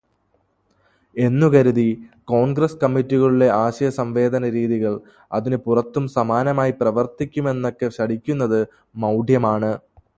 എന്നു കരുതി, കോൺഗ്രസ്സ് കമ്മിറ്റികളിലെ ആശയസംവേദനരീതികൾ അതിനു പുറത്തും സമാനമായി പ്രവർത്തിക്കുമെന്നൊക്കെ ശഠിക്കുന്നത് മൗഢ്യമാണ്.